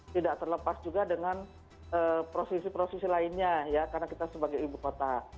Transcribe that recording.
tidak terlepas juga dengan prosesi prosesi lainnya karena kita sebagai ibu kota